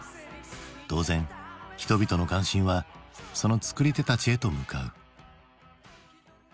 当然人々の関心はその作り手たちへと向かう。